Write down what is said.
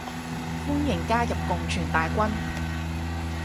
歡迎加入共存大軍